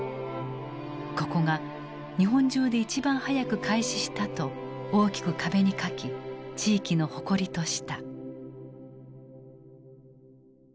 「ここが日本中で一番早く開始した」と大きく壁に書き地域の誇りとした。